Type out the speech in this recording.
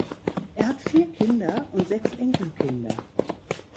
Er hat vier Kinder und sechs Enkelkinder.